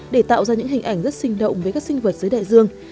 để tạo ra những hình ảnh rất sinh động với các sinh vật dưới đại dương